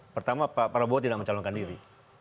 pertama pak prabowo tidak mencalonkan diri